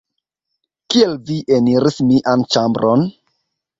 Kiel vi eniris mian ĉambron?